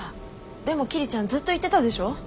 でも桐ちゃんずっと言ってたでしょ。